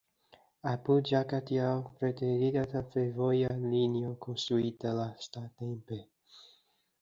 Apud Jagtial preteriras la fervoja linio konstruita lastatempe.